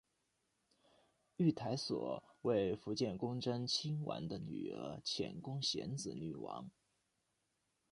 御台所为伏见宫贞清亲王的女儿浅宫显子女王。